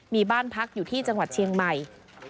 มีบ้านพักอยู่ที่จังหวัดเชียงใหม่